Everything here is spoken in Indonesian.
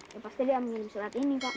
ya pasti dia yang ingin surat ini pak